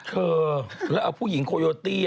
เธอแล้วเอาผู้หญิงโคโยตี้